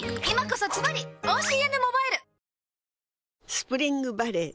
スプリングバレー